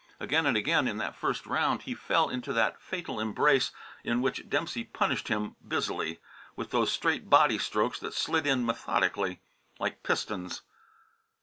Again and again in that first round he fell into the fatal embrace in which Dempsey punished him busily, with those straight body strokes that slid in methodically, like pistons.